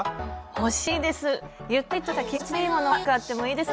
欲しいです！